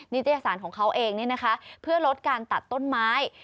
ิตยสารของเขาเองเพื่อลดการตัดต้นไม้